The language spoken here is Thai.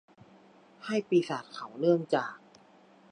ให้ปีศาจเขาเนื่องจาก